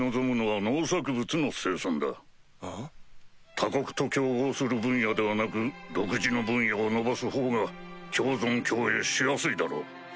他国と競合する分野ではなく独自の分野を伸ばすほうが共存共栄しやすいだろう。